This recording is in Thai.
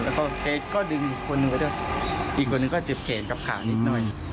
แล้วก็ซอสดึงคนหนึ่งไปด้วยอีกคนหนึ่งก็จบเขนกับขาอีกนิดหน่อย